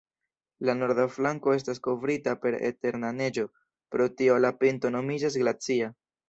La norda flanko estas kovrita per eterna neĝo, pro tio la pinto nomiĝas glacia.